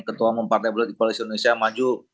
ketua ketua partai politik di polisi indonesia maju